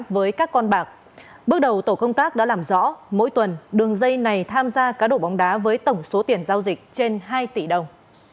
với các con bạc bước đầu tổ công tác đã làm rõ mỗi tuần đường dây này tham gia cá độ bóng đá với tổng số tiền giao dịch trên hai tỷ đồng